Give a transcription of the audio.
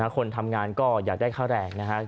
คนทำงานก็อยากได้ค่าแรงนะครับ